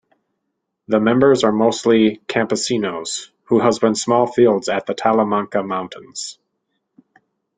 The members are mostly campesinos, who husband small fields at the Talamanca mountains.